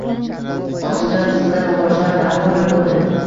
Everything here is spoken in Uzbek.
ochilgan tizzalar va boshlar darhol yopildi.